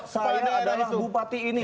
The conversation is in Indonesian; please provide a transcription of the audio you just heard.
saya adalah bupati ini